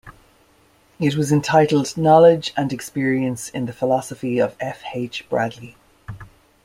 It was entitled "Knowledge and Experience in the Philosophy of F. H. Bradley".